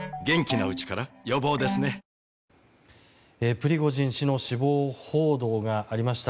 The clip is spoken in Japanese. プリゴジン氏の死亡報道がありました。